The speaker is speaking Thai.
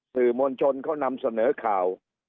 สื่อมวลชนเขานำเสนอข่าว